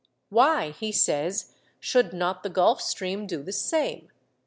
'Why,' he says, 'should not the Gulf Stream do the same?